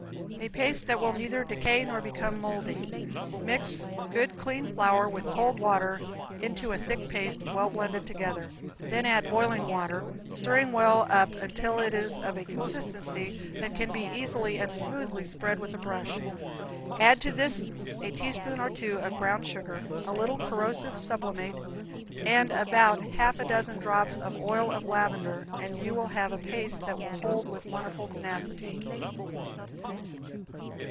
A paste that will neither decay nor become moldy. Mix good clean flour with cold water into a thick paste well blended together; then add boiling water, stirring well up until it is of a consistency that can be easily and smoothly spread with a brush; add to this a spoonful or two of brown sugar, a little corrosive sublimate and about half a dozen drops of oil of lavender, and you will have a paste that will hold with wonderful tenacity.